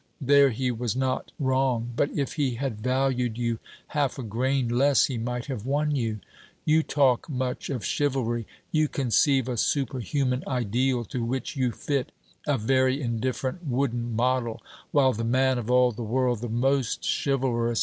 There he was not wrong. But if he had valued you half a grain less, he might have won you. You talk much of chivalry; you conceive a superhuman ideal, to which you fit a very indifferent wooden model, while the man of all the world the most chivalrous!...